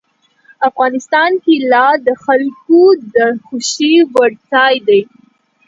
افغانستان کې لعل د خلکو د خوښې وړ ځای دی.